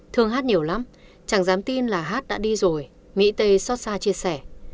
thương hát nhiều lắm chẳng dám tin là hát đã đi rồi mỹ tê xót xa chia sẻ